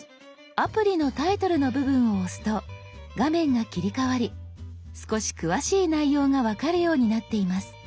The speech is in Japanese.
アプリのタイトルの部分を押すと画面が切り替わり少し詳しい内容が分かるようになっています。